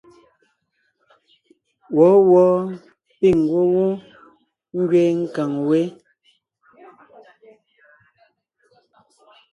Wɔ̌wɔɔ píŋ ngwɔ́ wó ngẅeen nkàŋ wé.